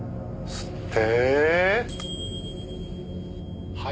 吸って。